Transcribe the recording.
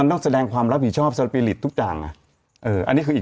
ตาทุบใหญ่